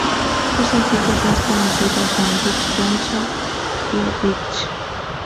Sus sencillos más conocidos son: "Dick Johnson", "Die Bitch!